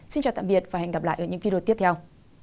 xin chào tạm biệt và hẹn gặp lại ở những video tiếp theo